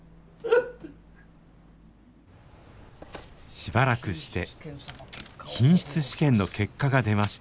しばらくして品質試験の結果が出ました。